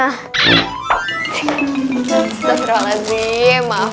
bustazah terima kasih maaf maaf